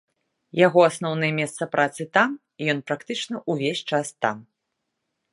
Яго асноўнае месца працы там, і ён практычна ўвесь час там.